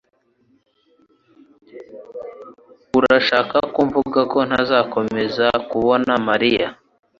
Urashaka ko mvuga ko ntazakomeza kubona Mariya